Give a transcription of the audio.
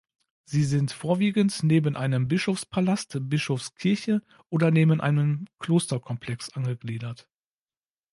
Sie sind vorwiegend neben einem Bischofspalast, Bischofskirche oder neben einem Klosterkomplex angegliedert.